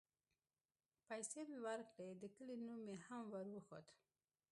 پيسې مې وركړې د كلي نوم مې هم وروښود.